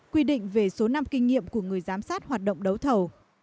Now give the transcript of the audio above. quy định về số năm kinh nghiệm của người giám sát hoạt động đấu thầu